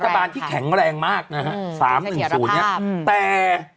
เป็นรัฐบาลที่แข็งแรงมากนะฮะ๓๑๐เนี่ยแต่